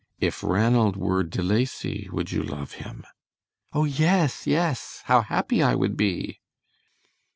"If Ranald were De Lacy would you love him?" "Oh yes, yes, how happy I would be!"